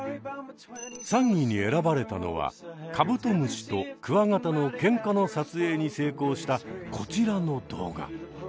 ３位に選ばれたのはカブトムシとクワガタのケンカの撮影に成功したこちらの動画。